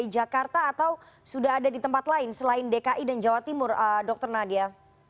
dki jakarta atau sudah ada di tempat lain selain dki dan jawa timur dr nadia